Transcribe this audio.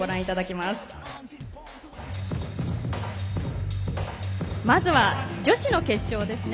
まずは女子の決勝ですね。